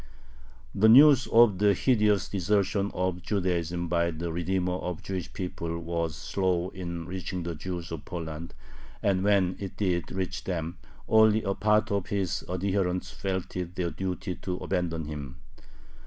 The news of the hideous desertion of Judaism by the redeemer of the Jewish people was slow in reaching the Jews of Poland, and when it did reach them, only a part of his adherents felt it their duty to abandon him.